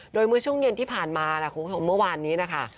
โดยเมื่อช่วงเย็นที่ผ่านมานะคุณผู้ชมเมื่อวานนี้นะคะ